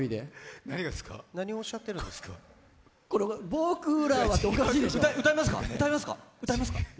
僕らはっておかしいでしょ。